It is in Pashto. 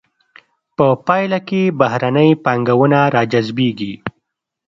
په پایله کې بهرنۍ پانګونه را جذبیږي.